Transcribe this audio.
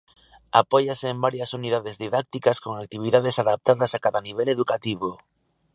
Apóiase en varias unidades didácticas con actividades adaptadas a cada nivel educativo.